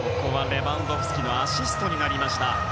レバンドフスキのアシストになりました。